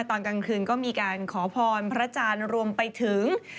ตอนกลางคืนก็มีการขอพรพระอาจารย์รวมไปถึง